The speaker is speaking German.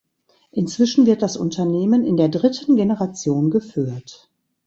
Inzwischen wird das Unternehmen in der dritten Generation geführt.